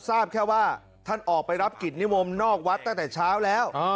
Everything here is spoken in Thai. ทราบแค่ว่าท่านออกไปรับกิจนิมนต์นอกวัดตั้งแต่เช้าแล้ว